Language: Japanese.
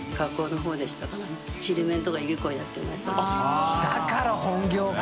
あっだから本業か。